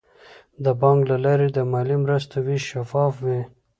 د بانک له لارې د مالي مرستو ویش شفاف وي.